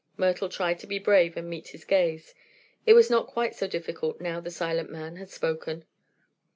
Myrtle tried to be brave and meet his gaze. It was not quite so difficult now the silent man had spoken.